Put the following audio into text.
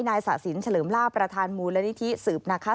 นายสะสินเฉลิมล่าประธานมูลนิธิสืบนะครับ